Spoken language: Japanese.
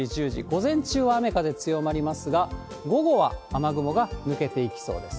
午前中は雨、風強まりますが、午後は雨雲が抜けていきそうです。